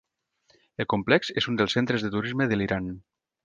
El complex és un dels centres de turisme de l’Iran.